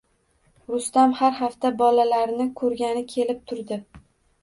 Rustam har hafta bolalarni ko`rgani kelib turdi